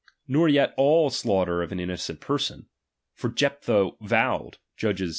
Nor yet all slaughter of an innocent person ; for Jephtha vowed (Judges xi.